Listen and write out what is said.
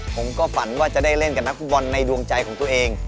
ผมก็ฝันว่าจะได้เล่นกับนักฟุตบอลในดวงใจของตัวเอง